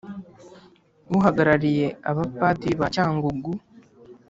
uhagarariye abapadiri ba Cyangugu